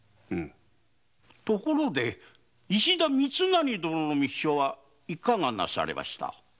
ところで石田三成殿の密書はいかがなされました？